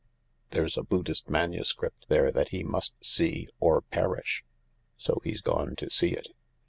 There's a Buddhist manuscript there that he must see, or perish. So he's gone to see it.